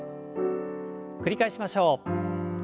繰り返しましょう。